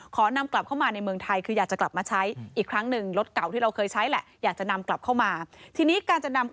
ขอนำกลับเข้ามาในเมืองไทยคืออยากจะกลับมาใช้